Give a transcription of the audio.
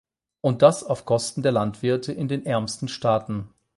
Und das auf Kosten der Landwirte in den ärmsten Staaten.